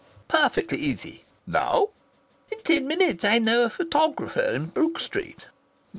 "Perfectly easy." "Now?" "In ten minutes. I know a photographer in Brook Street."